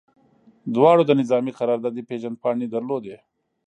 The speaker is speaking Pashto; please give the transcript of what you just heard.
دواړو د نظامي قراردادي پیژندپاڼې درلودې